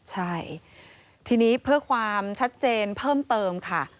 ใช่ทีนี้เพื่อความชัดเจนเพิ่มเติมค่ะ